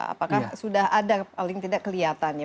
apakah sudah ada paling tidak kelihatannya